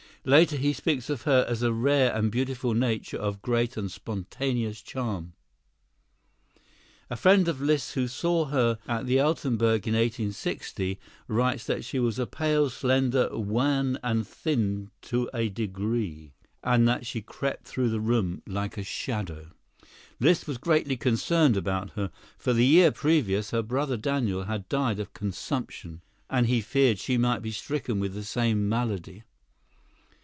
Later he speaks of her as a rare and beautiful nature of great and spontaneous charm. A friend of Liszt's who saw her at the Altenburg in 1860 writes that she was pale, slender, wan and thin to a degree, and that she crept through the room like a shadow. Liszt was greatly concerned about her, for the year previous her brother Daniel had died of consumption, and he feared she might be stricken with the same malady.